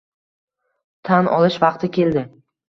tan olish vaqti keldi: